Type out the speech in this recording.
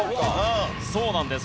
そうなんです。